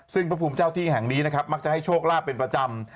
ซึ่งพระภูมิเจ้าที่แห่งนี้นะครับมักจะให้โชคลาภเป็นประจำ